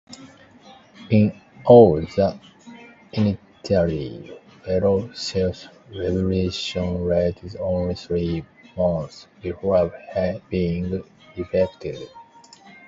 In all, the initially ferocious rebellion lasted only three months before being defeated.